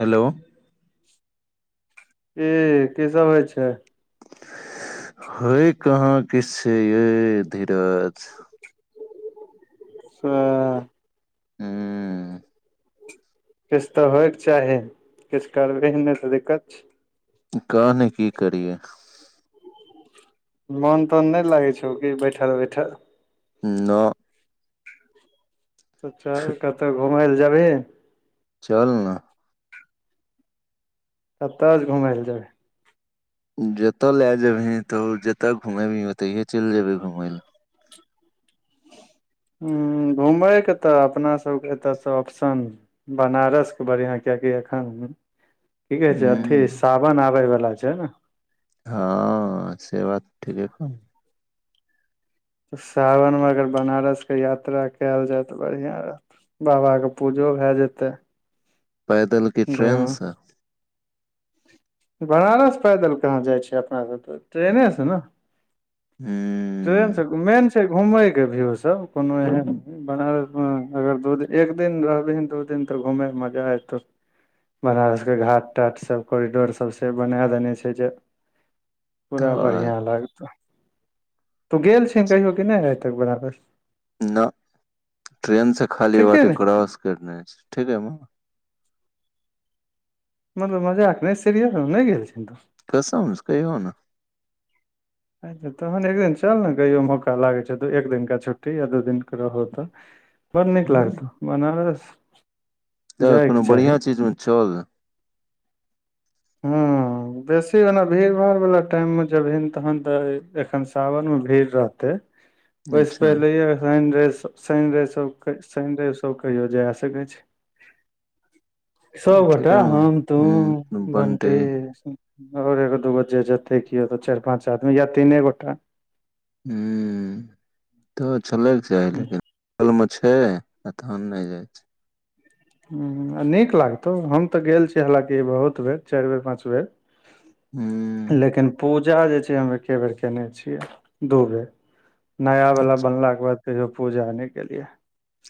Hello कि की सब होइ छै हे कहाँ किछ छै ये धीरज [unintelligible] सेह हुँ किछु तऽ होयके चाही किछु करबे नहि तऽ दिक्कत छै कहय नऽ की करियए मोन तोन नहि लागै छौ कि बैठल बैठल नओ [unintelligible] तऽ चल कतहु घुमै लए जेबही चल ने कतऽ जेबी घुमय लए जेबै जतय लए जेबही तऽ जतय घुमेबही ओतहिए चलि जेयबी घुमय लए हु घुमयके तऽ अपना सबके एतऽसँ ऑप्शन बनारसके बढ़िआँ किआकि एखन की कहै लए छै अथी हूँ सावन आबे वाला छै हँ से बात ठीके कहलो सावनमे अगर बनारसके यात्रा कयल जाय तऽ बढ़िया रहत बाबाके पूजो भए जेतै पैदल की घुमि ट्रेनसँ बनारस पैदल कहाँ जाइ छै अपना सभके तऽ ट्रेनेसँ ने हँ ट्रेन सब मेन छै घुमय के व्यू सब कोनो एहन बनारस मे अगर दू दिन एक दिन रहली ह दू दिन तऽ घूमे मे मजा एतौ बनारस के घाट टाट सब कोरिडोर सबसँ बना देने छै जे पूरा तऽ बढ़िआँ लागतौ गेल छी कहियो कि नहि आइ तक बनबस न ट्रेन से खाली ठीके वाटी ने क्रॉस करने छै ठीक है मतलब मजाक नहि सीरियल नहि गेल छै कसम से कहियो नहि अच्छा तहन एक दिन चल ने कहियो मौका लागैत छै एक दिनका छुट्टी या दू दिनके रहो तऽ बड़ नीक लागतो बनारस तऽ जायके कोनो चाही बढ़ियां चीज मे चल न हुँ बेसी ओना भीड़ भाड़ वाला टाइम मे जेबिन तहन त एखन सावन में भीड़ रहते वैसे अच्छा पहिने [unintelligible] चलने शनि रवि सब शनि रवि सब कहियो जाय सकैत छै सब गोटे ठीके हम तू ह बंटी बनतै आओर एगो दूगो जे जते कओ चारि पाँच आदमी या तीने गोटा हू तऽ चलैके छै अ लेक बगल मे छै आ तहन नहि जाइ छै ह नीक लागतौ हम तऽ गेल छी हालाँकि बहुत बेर चारि बेर पाँच बेर हुँ लेकिन पूजा जे छै हम एके बेर कयने छियै दू बेर नया ह वाला बनलााक के बाद कयो पूजा नहि क लिए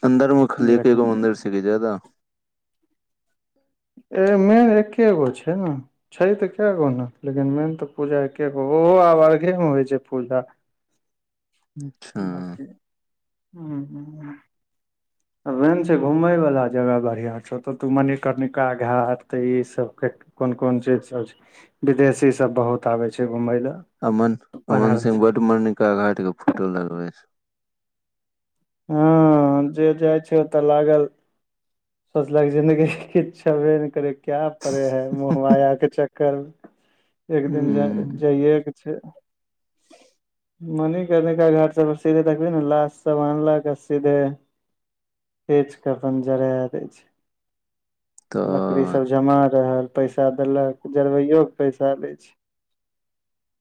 अन्दरमे खलि के एगो मन्दिर से [unintelligible] घिजादा ए मेन एकेगो छै ने छै तऽ कए गो ने लेकिन मेन तऽ पूजा एके गो ओहो आब अर्घेमे होइ छै पूजा अच्छा बकि ह ह [inaudible] मैन छै घूमयवला जगह बढ़िआँ छौ ओतऽ तऽ मणिकर्णिका घाट ईसभके कोन कोन चीजसभ छै विदेशीसभ बहुत आबै छै घूमय ले अमन अमन सिंह बड मरणिका घाट के फोटो डालल छै हँ जे जाइ छै ओतऽ लागल सोचलक जिन्दगी किछु छेबे ने करै। क्या परड़े है महया के चक्कर एक दिन ह जइए मणिकणिका घाट सब सीधे तकबी ने लट सब आनलक सीधे हज करत जरा दै छैय। तऽ लकड़ीसभ जमा रहल पैसा देलक जरबैओ क पैसा लै छैय।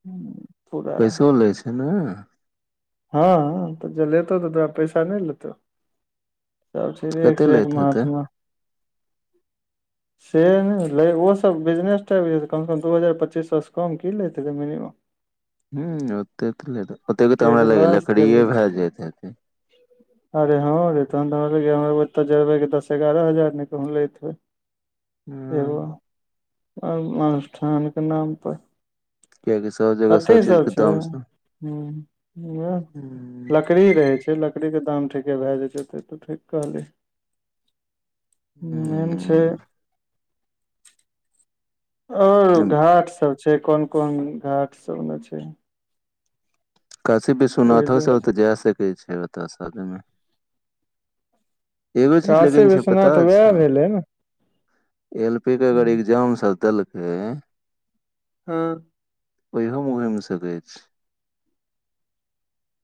हूँ पैसो लै छैय ने? हँ तऽ जलेतो तऽ तोरा पैसा नहि लेतौ। सब छैय एक कते से एक लैत हेतै महात्मा। से नहि ओस बिजनेस टाइप जे तऽ कमसँ कम दू हजार पचीस सएसँ कम की लेतै तऽ मिनिमम ह ओते ओतेक त हमरा कियाकि ल लाश जरबै लकड़ीए छै भए जायत हेतै। अरे हँं रे तहन त हमरा लगैया ओत जबै दस एगारह हजार नहि कहु लैत हो। एगो ह अनुष्ठानके नाम पर। कियाकि सब जगह अते चीज सब के छैय दाम छै [unintelligible] लकड़ी रहै छैय लकड़ीके दाम ठीके भए जाइ छैय ओतेक तऽ ठीक कहली। ह मैन छैय आओर घाट सब छैय कोन कोन घाट सभमे छैय। काशी विश्वनाथो ओहिजे स तऽ जा सकै छैय ओतस [unintelligible] एगो चीज काशी लकिन छैय पता विश्वनाथ वएह छौ? भेलै ने एल पी के अगर एग्जाम सभ देलकै हँ ओहोमे [unintelligible] सकैत छैय।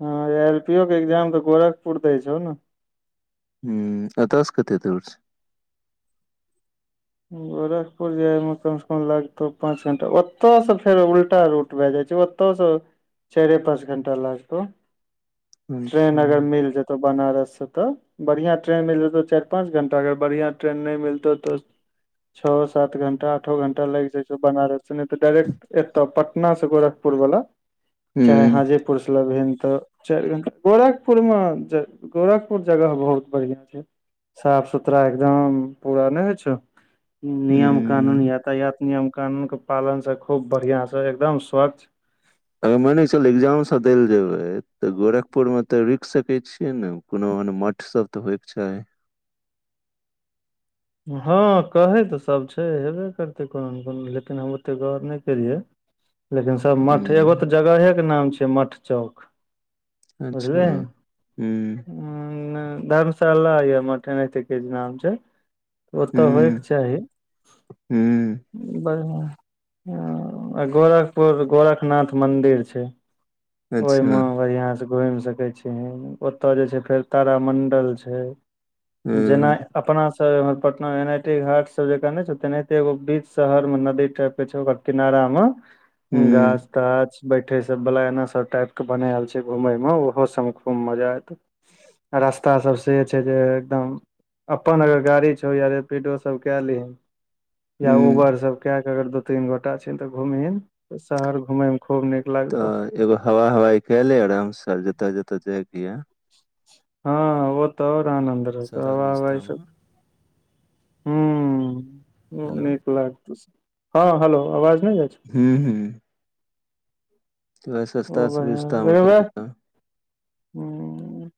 हँ एल पी ओ के एग्जाम तऽ गोरखपुर दै छौ ने। हूं अतऽस कते दूर छैय? गोरखपुर जायमे कमसँ कम लगतौ पाँच घंटा ओतसँ फेर उल्टा रूट भए जाइ छैय। तस चाईरे पाँच घण्टा लगतौ अच्छा ट्रेन अगर हूँ मिल जेत तऽ बनारससँ तऽ बढ़िआँ ट्रेन मिल जेतौ चारि पाँच घंटा अगर बढ़िआं ट्रेन नहि मिलतौ तऽ छओ सात घंटा आठो घंटा लागि जाइ छौ बनारससे नहि तऽ डायरेक्ट एत पट ना से गोरखपुर वाला चाहे हाजी पुरस लन तऽ चारि घणटा गोरखपुर मे ज गोरखपुर जगह बहुत बढ़िया छैय साफ सुथरा एकदम पूरा नहि होइ छौ। नियम कानून हूँ यातायात नियम कानून के पालन स खूब बढ़िया से एकदम स्वच्छ। अगर मान क चल एग्जाम स देल जेबै तऽ गोरखपुरमे तऽ रुकि सकै छियै ने। कोनो ओहन मठ सब तऽ होयत छैय। हँ कहै तऽ सभ छैय हेबे करतै कोनो ने कोनो लेकिन हम ओतेक गर नहि केलियै। लेकिन सभ मठ एगो ह तऽ जगहेके नाम छैय मठ चौक। अच्छा हूं। उ धर्मशाला या मठ एनाहिते किछ नाम छैय। ओतऽ होयके हूँ चाही। [unintelligible] गोरखपुर गोरखनाथ मदिर छैय। अच्छा ओहिमे बढ़िआं से घुमि सकै छी ओतय जे छैय फेर तारामण्डल छैय। जेना हूँ अपनासँ एम पटना एन आई टी घाट सब जेक नहि छैय तेनाहिते एगो बीच शहर में नदी टाइप के छैय ओकर किनारा मे हूँ गाछ गाछ बैठे सब बला एना सब टाइप के बनायल छै घूमेय में ओहो सब मऽ खूब मजा एत रास्ता सब से छै जे एकदम अपन अगर गाड़ी या रेपिडो सब कलीहै या हूँ उबर सब कऽ के अगर दू तीन गोटा छै तऽ घुमहिन शहर घूमे मे खूब नीक लागतौ तऽ एगो हवा हवाई केले आराम से जतय जतय जायके य हँ ओतय और आनंद रहतऽ सस्ता हवा हवा इ सुभिस्ता मे सब हू हेलो नीक लागतौ हँ हेलो आवाज नहि जाछौ हू हू मैसेज सस्ता ओ सुवस्तामे कए देतऽ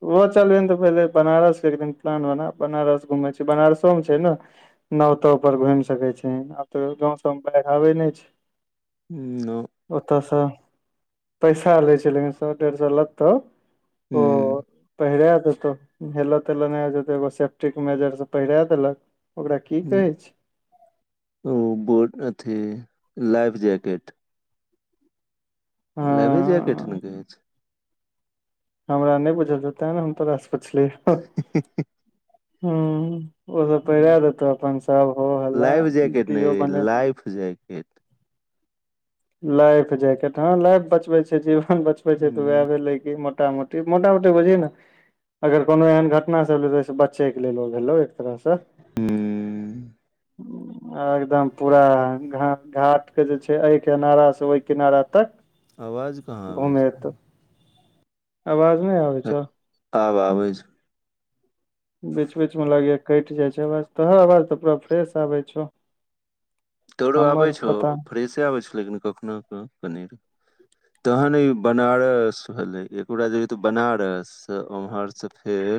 हू ओ चलबै ने तऽ पहिले बनारस एक दिन प्लान बना बनारस घुमेै छै बनारसो मे छै नऽ नाव ताव पर घुम सके छै आब तऽ गाँं सब में बाढ़ आबे नहि छै हू ओतयसँ पैसा लै छै लेकिन सए डेढ़ सए लत्तौ हू पहिरा देतौ हेलऽ तेलऽ नहि हो जेतौ एगो सेफ्टीके मेजर से पहिरा देलक ओकरा की कहै छै ओ बो अथी लाइफ जैकेट हँ लाइबे जैकेट नऽ कहै छै हमरा नहि बुझल छ‌उ तय नऽ हम तोराासँ पुछलियौ हू ओ सब पहिरा देतो अपन सब हो हल वीडियो बने लाइफजैकेट केट लाइफ जैकेट ह लाइफ बचबे छै जीवन बचबे छै त वएह हूँ भेलै की मोटा मोटी मोटामोटी बुझही नऽ अगर कोनो एहन घटना सब भलो तऽ ओय सऽ बचे कऽ लेल ओ भलौ एक तरह सँ हूँ एकदम पूरा घाट के जे छै एय किनारा से ओहि किनारा तक आवाज कहाँ आबै छै घुमेत आवाज नहि आबै छौ आब आबै छौ बीच बीच में लग‌ए कट‌ए जाइ छै आवाज तोहर आवाज तऽ पूरा फ्रेश आबे छौ तोरो आबै हमर छौ पता फ्रेशे आबै छौ लेकिन कखनो कऽ कनी तहन ई बनारस भेलले एकोटा जेय त बनारस से ओमहर सँ फेर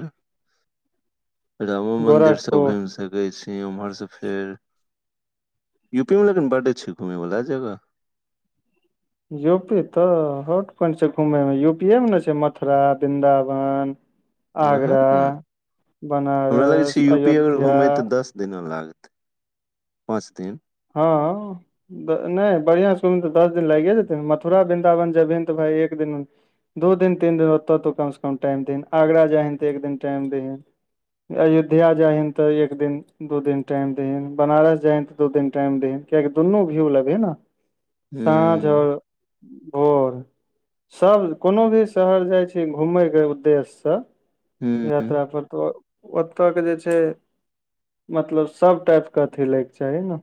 [inaudible] रामो मन्दिर सभ गोरखपुर घुमि सकैत छी ओम्हर सँ फेर यू पी मे लेकिन बड छै घुमय वला जगह यू पी तऽ हॉट पोइंट छै घुमेय मे यूपीए मे ने छै मथुरा वृदावन ओहे आगरा ने बनारस अयोध्या दिनो लागतय पाँच दिन हँ नहि बढ़िआँ सँ [unintelligible] तऽ दस दिन लागिए जेतै मथुरा वृंन्दावन जेथिन तऽ भाय एक दिन दू दिन तीन दिन ओतौ तऽ कमसँ कम टाइम देहीन आगरा जाहिन तऽ एक दिन टाइम देही अयोध्या जाय हीन ते एक दिन दू दिन टाइम देही बनारस जायही ते दू दिन टाइम देही कियाकि दुनू घूमि लगहे न साँझ हूँ और भोर सब कोनो भी शहर जाइ छै घुमैके उद्देश्यसँ हू यात्रा पर तऽ ओतऽ के जे छै मतलब सब टाइप के अथी लैके चाही नऽ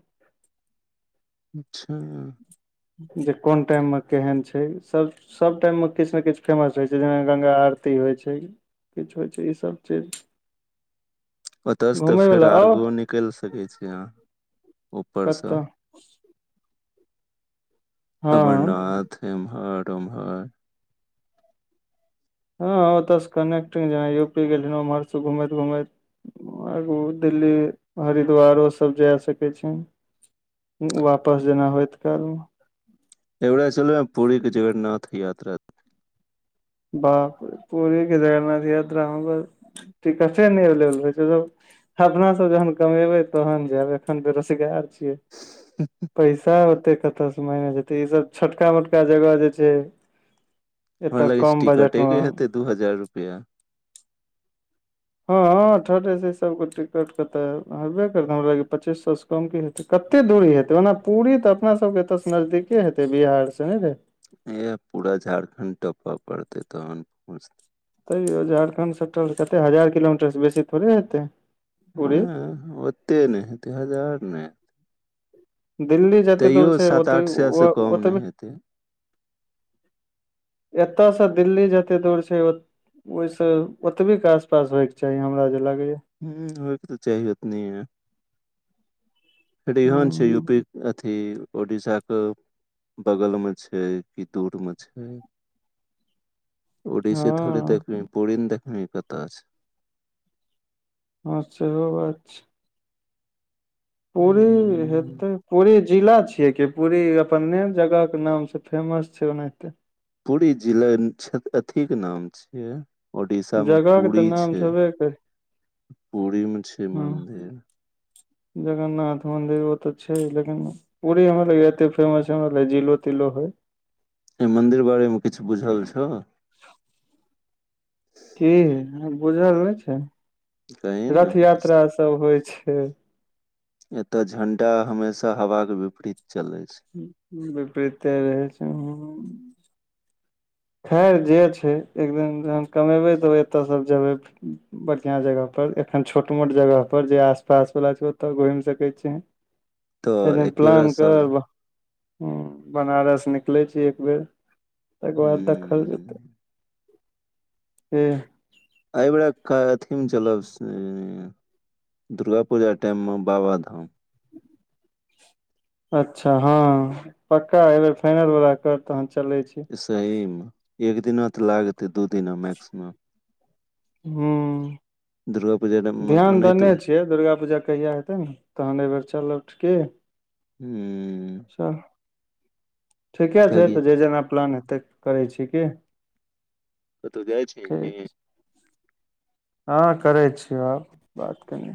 अच्छा जे कोन टाइममे केहन छै सब सभ टाइममे किछ नऽ किछ फेमस होइ छै जेना गंगा आरती होइ छै किछु होइ छै ईसभ चीज ओतयसँ तऽ घूमे फेर वाला आउ आगू निकलि सकै छी अहाँ ऊपरसँ कतऽ हँ अमरनाथ एम्हर उम्हर हँ ओतए सँ कनेक्टिंग जेना यू पी गेलही उम्हर से घुमैत घुमैत आगू दिल्ली हरिद्वारोसभ जा सकै छिन वापस जेना होइत कालमऽ एवेरा चलू पुरी कऽ जगन्नाथ याता बाप रे पुरी के जगन्नाथ यात्रा हमर टिकटे नहि लेल होय छैय अपना सब जहन कमेबै तहन जायब एखन बेरोजगार छियै [unintelligible] पैसा होते कतौऽ से मगल जेते ई सब छोटका मोटका जगह जे छैय हमरा लाग छै टिकटे मे के हेते दू हजार रुपया हँ ठड एसी सब कऽ टिकट क तऽ हेबे करतऽ हमरा लगेय पच्चीस सए कम की हेत कते दूरी हेतै ओना पूरी तऽ अपना सबके एतऽ सऽ नजदीके हेतै बिहार सऽ ने रे ऐह पूरा झारखण्ड टपय पड़तै तहन पहुँचतै तैयो झारखण्ड सटल कतेक हजार किलोमीटरसँ बेसी थोड़े हेतैय नहि ओते नहि हेतय हजार नहि दिल्ली जते तैयो दूर छै सात ओते आठ सए से ओ कम ओतबे नहि हेतै एतयसँ दिल्ली जतेक दूर छै ओहि से ओतबे के आस पास होय के चाही हमरा जे लागे या ह होयके तऽ चाही ओतनी फेर हैन छै यूपी हूँ अथी ओडीसाके बगलमे छै कि दूरमे छै [inaudible] ओड़ीसा थोरी हँ नऽ देखलनि पुरिन देख बिही कतय छै हँ सेहो बात छै पूरी हे तऽ पूरी जिला छियै कि पूरी अपने जगहके नामसँ फेमस छै ओनाहिते पुरी जिला अथीके नाम छियै ओड़ीसा मऽ जगह के पूरी तऽ नाम छै छेबे करै पूरी मऽ छै हँ मन्दिर जगन्नाथ मन्दिर ओ तऽ छै लेकिन पूरी हमरा लग एते फेमस है हमरा लगेय जिलो तिलो हय एहि मंन्दिर बारेमे किछु बुझल छौ की बुझल नहि छै कही ने रथ किछु यात्रा सब होइ छै एतय झंडा हमेशा हवा के विपरीत चले छैय विपरीत रहै छै खैर जे छै एकदिन जहन कमेबै तऽ एतयसँ जेबै फेनो बढ़िया जगह पर एखन छोट मोट जगह पर जे आस पास वाला छै ओ तऽ घुम सके छी [inaudible] यै तऽ बेर एके बेरा प्लान सब करब हु बनारस निकलै छी एक बेर तकर बाद देखल हूँ जे [inaudible] आइबेराकथी म चलब से दुर्गा पूजा टाइम मऽ बाबाधाम अच्छा हँ पक्का एहि बेर फाइनल बला कर तहन चले छी सही मे एक दिना तऽ लागते दू दिना मैक्सिमम हू दुर्गा पूजा टाइम [inaudible] मे ध्यान ओनाहितो देने हूँ छै फेर दुर्गा पूजा कहिया हेतै ने तहन अइबेर चलब की [unintelligible] चल [inaudible] ठीकेँ छै कियाकि तऽ जे जेना प्लान हेतै करै छी की कतौऽ जाइ छि हि की ठीक छै, हँ करै छियैआब बात कनि